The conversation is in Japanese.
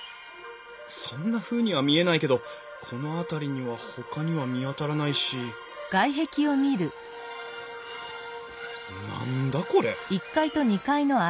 そんなふうには見えないけどこの辺りにはほかには見当たらないし何だこれ！？